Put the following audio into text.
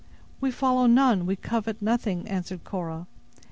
"We follow none, we covet nothing," answered Cora.